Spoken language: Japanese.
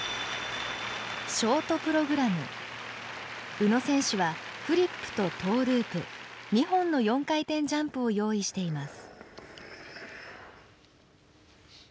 宇野選手はフリップとトーループ２本の４回転ジャンプを用意しています。